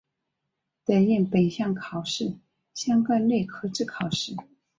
得应本项考试相关类科之考试。